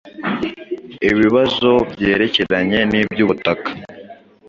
ibibazo byerekeranye niby'ubutaka